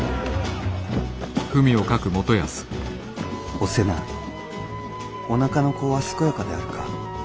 「お瀬名おなかの子は健やかであるか。